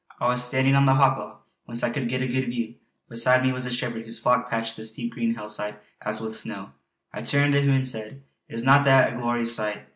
I was standing on the Hawklaw, whence I could get a good view; beside me was a shepherd whose flock patched the steep green hillside as with snow. I turned to him and said: "Is not that a glorious sight?"